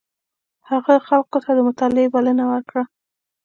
هغه خلکو ته د مطالعې بلنه ورکړه.